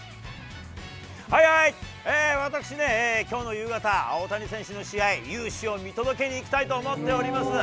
はいはい、私ね、きょうの夕方、大谷選手の試合、勇姿を見届けに行きたいと思っております。